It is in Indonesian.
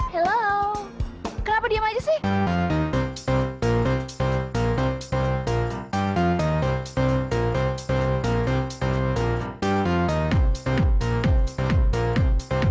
halo kenapa diem aja sih